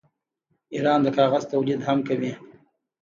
ایران د کاغذ تولید هم کوي.